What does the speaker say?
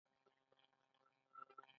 دغو شخړو په پایله کې مایا تمدن دړې وړې کړ.